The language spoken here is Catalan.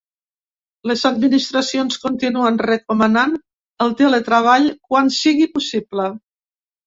Les administracions continuen recomanant el teletreball quan sigui possible.